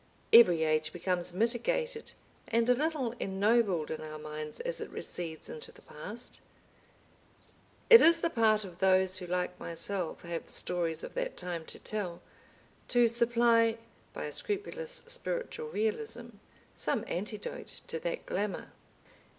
Every age becomes mitigated and a little ennobled in our minds as it recedes into the past. It is the part of those who like myself have stories of that time to tell, to supply, by a scrupulous spiritual realism, some antidote to that glamour.